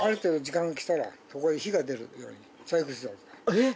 えっ！？